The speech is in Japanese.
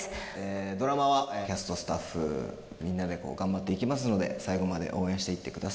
ドラマはキャストスタッフみんなで頑張っていきますので最後まで応援していってください。